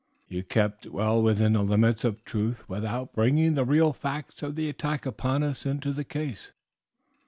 "You kept well within the limits of truth without bringing the real facts of the attack upon us into the case."